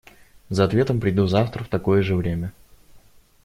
За ответом приду завтра в такое же время.